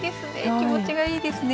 気持ちがいいですね。